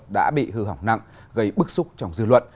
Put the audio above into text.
đã bị hư hỏng nặng gây bức xúc trong dư luận